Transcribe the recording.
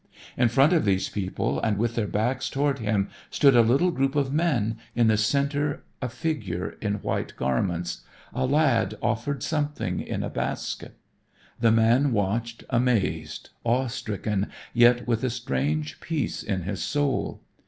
In front of these people and with their backs toward him stood a little group of men, in the center a figure in white garments. A lad offered something in a basket. The man watched, amazed, awe stricken, yet with a strange peace in his soul.